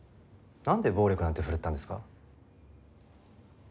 なんで暴力なんて振るったんですか？